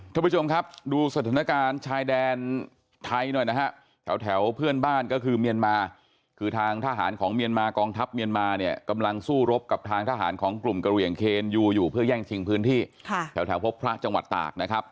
ท่านผู้ชมครับดูสถานการณ์ชายแดนไทยหน่อยนะฮะแถวเพื่อนบ้านก็คือเมียนมาคือทางทหารของเมียนมากองทัพเมียนมาเนี่ยกำลังสู้รบกับทางทหารของกลุ่มกระเหลี่ยงเคนยูอยู่เพื่อแย่งชิงพื้นที่แถวพบพระจังหวัดตากนะครับ